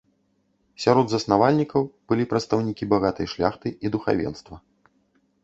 Сярод заснавальнікаў былі прадстаўнікі багатай шляхты і духавенства.